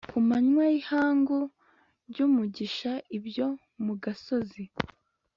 ku manywa y'ihangu ryumisha ibyo mu gasozi